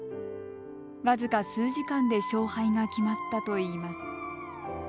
僅か数時間で勝敗が決まったといいます。